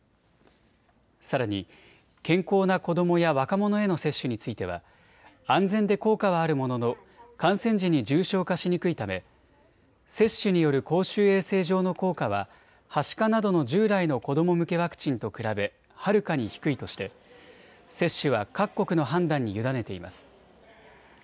さらに健康な子どもや若者への接種については安全で効果はあるものの感染時に重症化しにくいため接種による公衆衛生上の効果ははしかなどの従来の子ども向けワクチンと比べはるかに低いとして接種は各国の判断に委ねています。